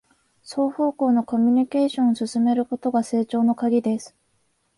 双方向のコミュニケーションを進めることが成長のカギです